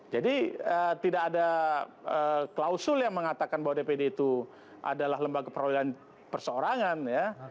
jadi tidak ada klausul yang mengatakan bahwa dpd itu adalah lembaga perwakilan perseorangan ya